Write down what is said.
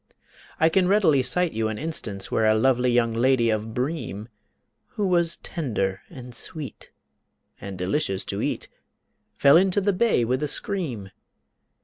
I can readily cite you an instance Where a lovely young lady of Breem, Who was tender and sweet and delicious to eat, Fell into the bay with a scream.